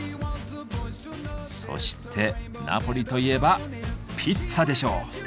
そしてナポリといえばピッツァでしょう！